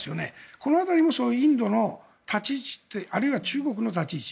この辺、インドの立ち位置あるいは中国の立ち位置。